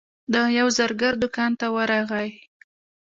د یوه زرګر دوکان ته ورغی.